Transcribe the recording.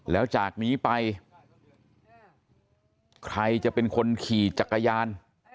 แล้วจากนี้ไปใครจะเป็นคนขี่จักรยาน